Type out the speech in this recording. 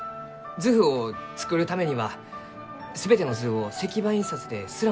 図譜を作るためには全ての図を石版印刷で刷らんといかん。